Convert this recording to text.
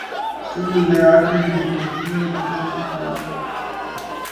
Shortly thereafter he became a criminal defense attorney.